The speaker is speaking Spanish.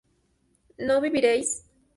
¿no viviréis?